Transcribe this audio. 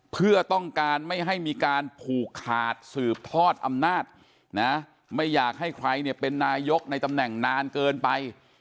เพื่อต้องการไม่ให้มีการผูกขาดสืบทอดอำนาจนะไม่อยากให้ใครเนี่ยเป็นนายกในตำแหน่งนานเกินไป